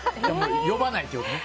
呼ばないってことね。